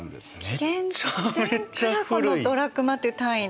紀元前からこのドラクマという単位で。